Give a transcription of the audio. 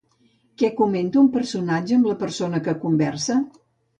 Què comenta un personatge amb la persona que conversa?